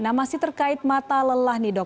nah masih terkait mata lelah nih dok